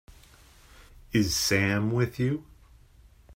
Is Sam with you?